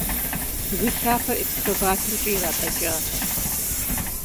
Бгы лъапэр экскаваторкӏэ иратӏэкӏащ.